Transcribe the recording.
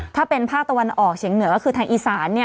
ถ้าเป็นภาคตะวันออกเฉียงเหนือก็คือทางอีสาน